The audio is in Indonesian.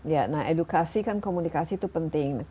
ya nah edukasi kan komunikasi itu penting